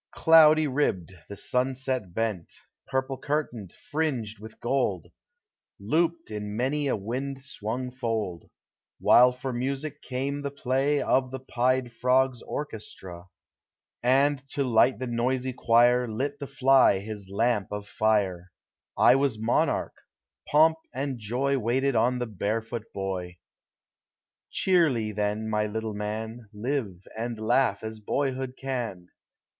Cloudy ribU'd, the sunset l>eut, Digitized by Google: ABOUT CHILDREN. Purple curtained, fringed with gold, Looped in many a wind swung fold; While for music came the play Of the pied frogs' orchestra; And, to light the noisy choir, Lit the fly his lamp of tire. 1 was monarch : pomp and joy Waited on the barefoot boy ! Cheerly, then, my little man, Live and laugh, as boyhood can